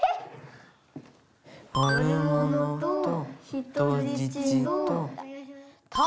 悪者と人質と。